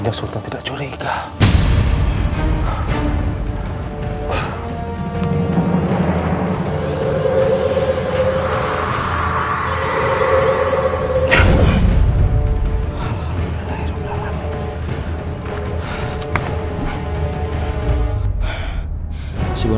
kacang sultan sudah tahu ketiadaanku di keraton